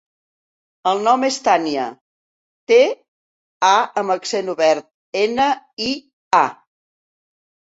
El nom és Tània: te, a amb accent obert, ena, i, a.